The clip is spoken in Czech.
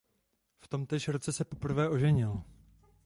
V tomtéž roce se poprvé oženil.